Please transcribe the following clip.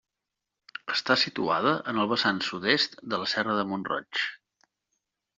Està situada en el vessant sud-est de la serra de Mont-roig.